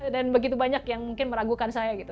dan begitu banyak yang mungkin meragukan saya gitu